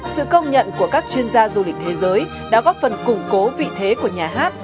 sự công nhận của các chuyên gia du lịch thế giới đã góp phần củng cố vị thế của nhà hát